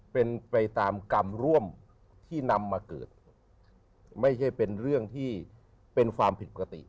เป็นไปตามกรรมร่วมที่นำมาเกิดไม่ใช่เป็นเรื่องที่เป็นความผิดปกติ